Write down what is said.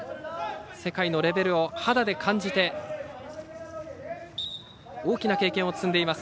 世界のレベルを肌で感じて大きな経験を積んでいます